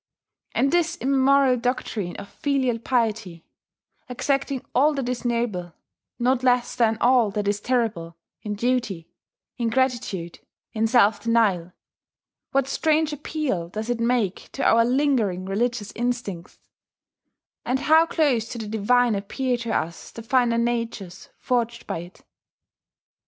And this immemorial doctrine of filial piety, exacting all that is noble, not less than all that is terrible, in duty, in gratitude, in self denial, what strange appeal does it make to our lingering religious instincts; and how close to the divine appear to us the finer natures forged by it!